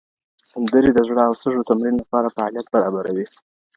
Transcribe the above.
سندرې د زړه او سږو تمرین لپاره فعالیت برابروي.